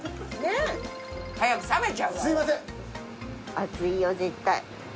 熱いよ絶対。